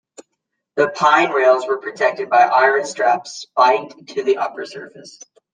The pine rails were protected by iron straps spiked to the upper surface.